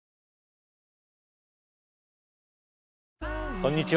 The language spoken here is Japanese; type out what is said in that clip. こんにちは。